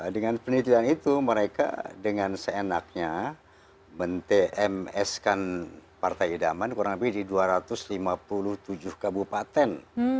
dengan penelitian itu mereka dengan seenaknya men tms kan partai idaman kurang lebih di dua ratus lima puluh tujuh kabupaten